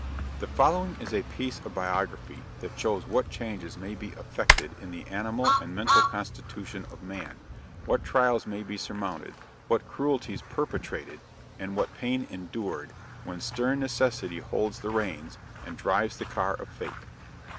The following is a piece of biography, that shows what changes may be effected in the animal and mental constitution of man; what trials may be surmounted; what cruelties perpetrated, and what pain endured, when stern necessity holds the reins, and drives the car of fate.